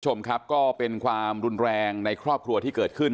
คุณผู้ชมครับก็เป็นความรุนแรงในครอบครัวที่เกิดขึ้น